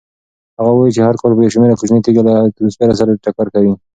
هغه وایي چې هر کال بې شمېره کوچنۍ تېږې له اتموسفیر سره ټکر کوي.